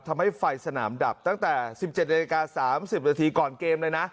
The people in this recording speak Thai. ทำให้ไฟสนามดับตั้งแต่สิบเจ็ดนาฬิกาสามสิบนาทีก่อนเกมเลยนะ